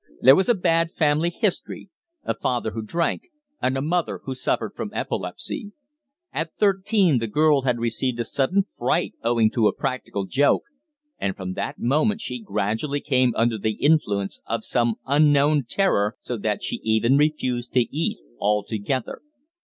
There was a bad family history a father who drank, and a mother who suffered from epilepsy. At thirteen the girl had received a sudden fright owing to a practical joke, and from that moment she gradually came under the influence of some hidden unknown terror so that she even refused to eat altogether.